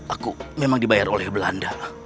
aku memang dibayar oleh belanda